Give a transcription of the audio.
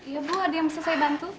ya bu ada yang bisa saya bantu